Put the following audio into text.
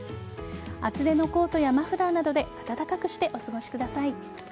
厚手のコートやマフラーなどで暖かくしてお過ごしください。